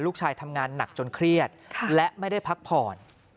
ลูกชายทำงานหนักจนเครียดและไม่ได้พักผ่อน